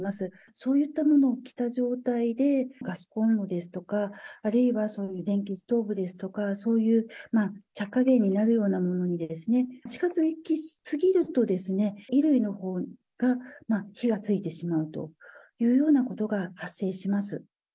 そういったものを着た状態で、ガスコンロですとか、あるいは電気ストーブですとか、そういう着火原因になるようなものに近づき過ぎると、衣類のほうが火がついてしまうというようなことが発生します。